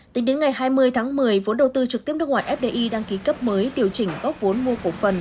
tính đến ngày hai mươi tháng một mươi vốn đầu tư trực tiếp nước ngoài fdi đăng ký cấp mới điều chỉnh góp vốn mua cổ phần